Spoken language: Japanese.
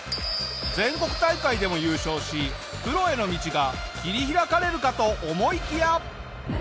全国大会でも優勝しプロへの道が切り開かれるかと思いきや。